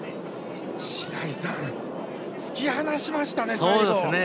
白井さん、突き放しましたね最後。